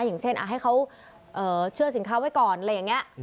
อย่างเช่นให้เขาเชื่อสินค้าไว้ก่อนอะไรอย่างนี้